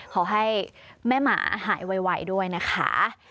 ขอให้แม่หมาหายไวด้วยนะคะ